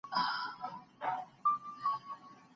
املا د ذهني وړتیا د ازمویلو یوه وسیله ده.